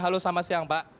halo selamat siang pak